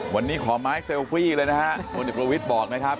วันนี้ขอไม้เซลฟี่เลยนะฮะคนเอกประวิทย์บอกนะครับ